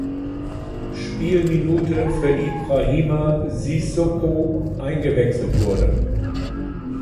Spielminute für Ibrahima Sissoko eingewechselt wurde.